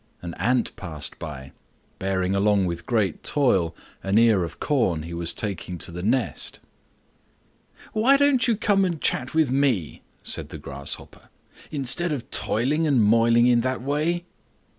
An Ant passed by, bearing along with great toil an ear of corn he was taking to the nest. "Why not come and chat with me," said the Grasshopper, "instead of toiling and moiling in that way?"